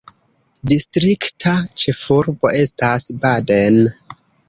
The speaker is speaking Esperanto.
Distrikta ĉefurbo estas Baden.